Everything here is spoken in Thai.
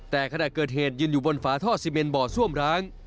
แต่ขณะเกิดเหตุยืนอยู่บนฝาท่อซีเมนบ่อซ่วมร้าง